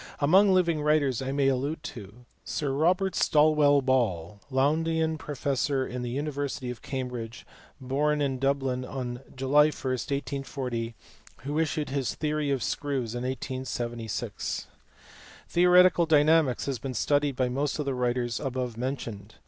Among living writers I may allude to Sir Robert Stawell Ball, Lowndean professor in the university of Cambridge, born in Dublin on July 1, 1840, who issued his Theory of Screws in 1876. Theoretical Dynamics has been studied by most of the writers above mentioned.